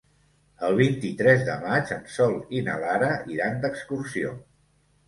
El vint-i-tres de maig en Sol i na Lara iran d'excursió.